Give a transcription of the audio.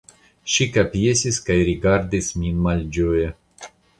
Ŝi kapjesis kaj rigardis min malĝoje.